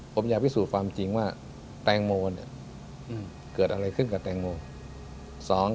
ผมอยากพิสูจน์ความจริงว่าแตงโมเนี่ยเกิดอะไรขึ้นกับแตงโม